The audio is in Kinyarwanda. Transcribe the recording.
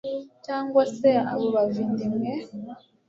cyangwa se abo bava inda imwe.